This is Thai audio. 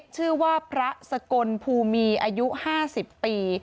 ชื่อว่าพระสกลภูมีอายุ๕๐ปี